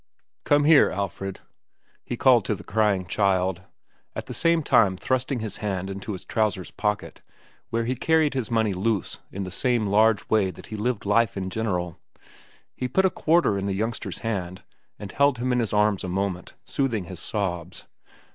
"Come here, Alfred," he called to the crying child, at the same time thrusting his hand into his trousers pocket, where he carried his money loose in the same large way that he lived life in general. He put a quarter in the youngster's hand and held him in his arms a moment, soothing his sobs.